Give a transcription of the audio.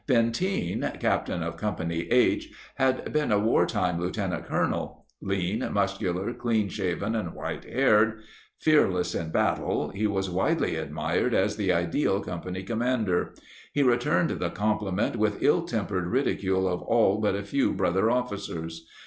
Benteen, captain of Company H, had been a war time lieutenant colonel. Lean, muscular, clean shaven and white haired, fearless in combat, he was widely admired as the ideal company commander. He re turned the compliment with ill tempered ridicule of all but a few brother officers.